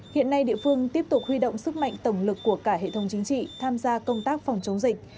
hiện nay địa phương tiếp tục huy động sức mạnh tổng lực của cả hệ thống chính trị tham gia công tác phòng chống dịch